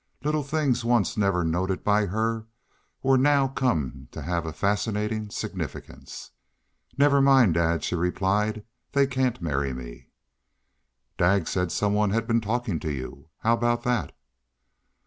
Little things once never noted by her were now come to have a fascinating significance. "Never mind, dad," she replied. "They cain't marry me." "Daggs said somebody had been talkin' to you. How aboot that?"